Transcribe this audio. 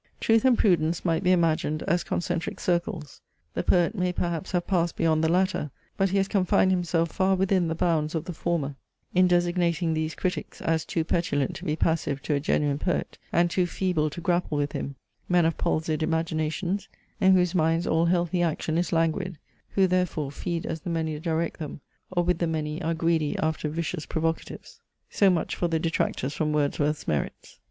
Truth and prudence might be imaged as concentric circles. The poet may perhaps have passed beyond the latter, but he has confined himself far within the bounds of the former, in designating these critics, as "too petulant to be passive to a genuine poet, and too feeble to grapple with him; men of palsied imaginations, in whose minds all healthy action is languid; who, therefore, feed as the many direct them, or with the many are greedy after vicious provocatives." So much for the detractors from Wordsworth's merits.